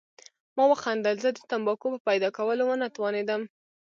ما وخندل، زه د تمباکو په پیدا کولو ونه توانېدم.